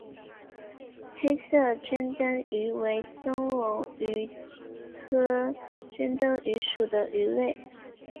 黑色珍灯鱼为灯笼鱼科珍灯鱼属的鱼类。